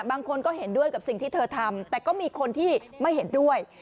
บางคนก็เห็นด้วยกับสิ่งที่เธอทำแต่ก็มีคนที่ไม่เห็นด้วย